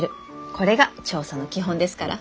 これが調査の基本ですから。